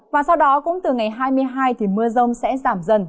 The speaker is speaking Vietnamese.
và sau đó cũng từ ngày hai mươi hai thì mưa rông sẽ giảm dần